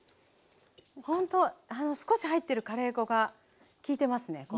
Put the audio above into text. ほんと少し入ってるカレー粉が効いてますね。